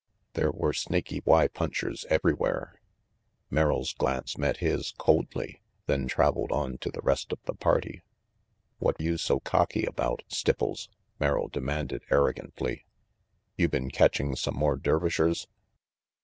There were Snaky Y punchers everywhere. Merrill's glance met his coldly, then traveled on to the rest of the party. "What you so cocky about, Stipples?" Merrill RANGY PETE 175 s demanded arrogantly. "You been catching some more Dervishers?"